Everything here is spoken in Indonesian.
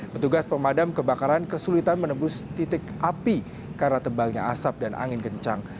petugas pemadam kebakaran kesulitan menembus titik api karena tebalnya asap dan angin kencang